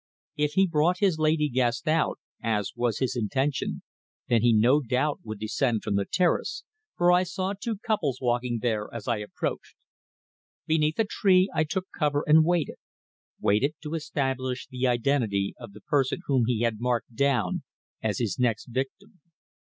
If he brought his lady guest out, as was his intention, then he no doubt would descend from the terrace, for I saw two couples walking there as I approached. Beneath a tree I took cover and waited waited to establish the identity of the person whom he had marked down as his next victim.